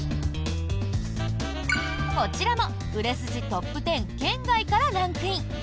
こちらも売れ筋トップ１０圏外からランクイン。